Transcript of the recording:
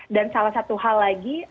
dan salah satu hal lagi